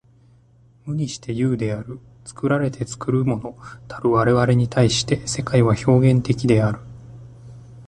無にして有である。作られて作るものたる我々に対して、世界は表現的である。